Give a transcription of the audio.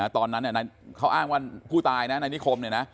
ตอนนั้นเนี่ยเขาอ้างวันผู้ตายในนี้คมเนี่ยนะ